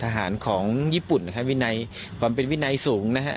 ทหารของญี่ปุ่นนะครับวินัยความเป็นวินัยสูงนะฮะ